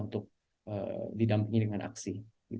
untuk didampingi dengan aksi